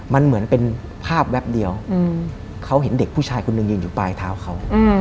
มันเหมือนเป็นภาพแวบเดียวเขาเห็นเด็กผู้ชายคนหนึ่งยืนอยู่ปลายเท้าเขา